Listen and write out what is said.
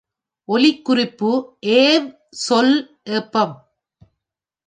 ஒலிக்குறிப்பு ஏவ் சொல் ஏப்பம்